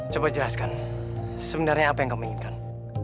coba jelaskan sebenarnya apa yang kami inginkan